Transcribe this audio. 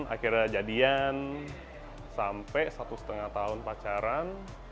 akhirnya jadian sampai satu setengah tahun pacaran